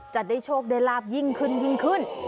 จะได้โชคได้ราบยิ่งขึ้น